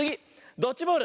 ドッジボール。